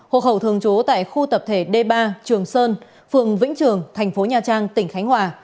hộ khẩu thường trú tại khu tập thể d ba trường sơn phường vĩnh trường thành phố nha trang tỉnh khánh hòa